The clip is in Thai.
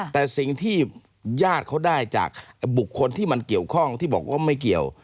แต่สิ่งที่ญาติเขาได้จากบุคคลที่มันเกี่ยวข้องที่บอกว่าไม่เกี่ยว